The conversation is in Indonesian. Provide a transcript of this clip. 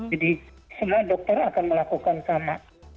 jadi semua dokter akan melakukan sama